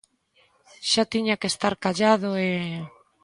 Xa tiña que estar callado e...